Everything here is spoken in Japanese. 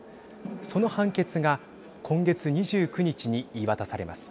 その判決が今月２９日に言い渡されます。